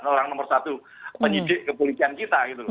orang nomor satu penyidik kebulikan kita